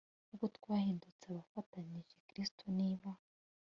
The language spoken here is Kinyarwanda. Kuko twahindutse abafatanije Kristo niba